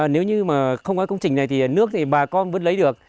nếu như mà không có công trình này thì nước thì bà con vẫn lấy được